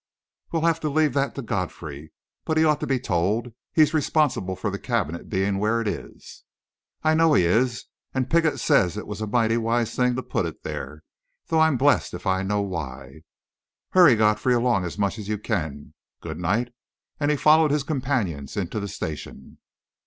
"We'll have to leave that to Godfrey. But he ought to be told. He's responsible for the cabinet being where it is." "I know he is, and Piggott says it was a mighty wise thing to put it there, though I'm blessed if I know why. Hurry Godfrey along as much as you can. Good night," and he followed his companions into the station.